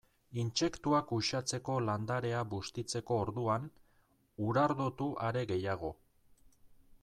Intsektuak uxatzeko landarea bustitzeko orduan, urardotu are gehiago.